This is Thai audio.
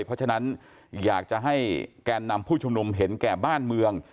เพราะฉะนั้นอยากจะให้แกนนำผู้ชุมนุมเห็นแก่บ้านเมือง